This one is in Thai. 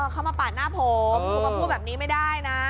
เขามาปาดหน้าผมผมมาพูดแบบนี้ไม่ได้นะ